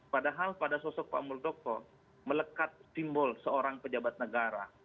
padahal pada sosok pak muldoko melekat simbol seorang pejabat negara